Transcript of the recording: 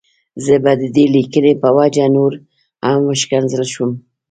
زه به د دې ليکنې په وجه نور هم وشکنځل شم.